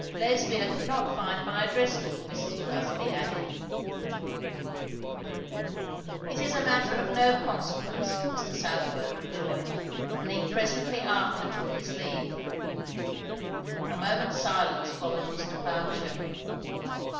"Lesbia could not find my address book," Mrs. Busby added. "It is a matter of no consequence," Mr. Southwode rejoined. And he presently after took his leave. A moment's silence followed his departure.